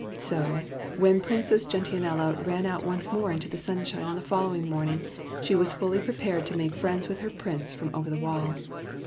So, when Princess Gen tianella ran out once more into the sunshine on the following morning, she was fully pre pared to make friends with her Prince from over the wall.